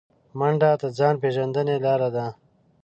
منډه د ځان پیژندنې لاره ده